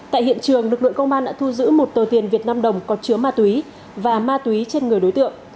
tại hiện trường lực lượng công an đã thu giữ một tờ tiền việt nam đồng có chứa ma túy và ma túy trên người đối tượng